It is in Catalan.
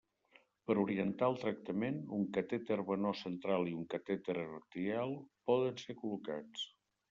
Per orientar el tractament, un catèter venós central i un catèter arterial poden ser col·locats.